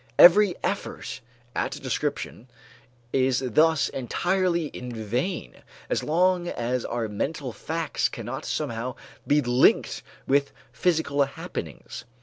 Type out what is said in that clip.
Every effort at description is thus entirely in vain as long as our mental facts cannot somehow be linked with physical happenings.